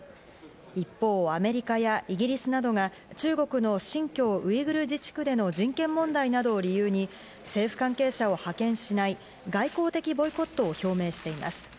一方、アメリカやイギリスなどが中国の新疆ウイグル自治区での人権問題などを理由に政府関係者を派遣しない外交的ボイコットを表明しています。